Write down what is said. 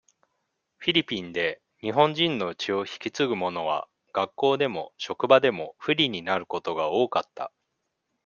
フィリピンで、日本人の血を引き継ぐものは、学校でも、職場でも、不利になることが多かった。